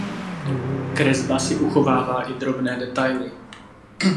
Kresba si uchovává i drobné detaily.